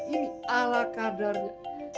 ini ala kadarnya